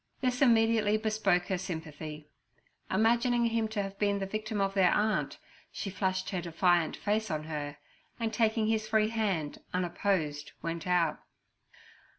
This immediately bespoke her sympathy. Imagining him to have been the victim of their aunt, she flashed her defiant face on her, and taking his free hand, unopposed went out.